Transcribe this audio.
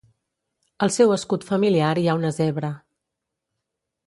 Al seu escut familiar hi ha una zebra.